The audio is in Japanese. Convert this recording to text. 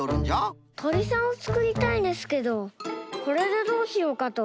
とりさんをつくりたいんですけどこれでどうしようかと。